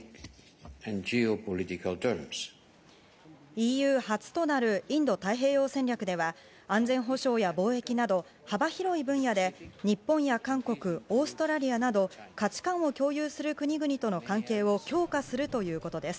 ＥＵ初となるインド太平洋戦略では安全保障や貿易など幅広い分野で日本や韓国、オーストラリアなど価値感を共有する国々との関係を強化するということです。